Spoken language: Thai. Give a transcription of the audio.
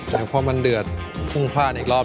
แล้วเราต้องคนไปเรื่อยใช่ไหม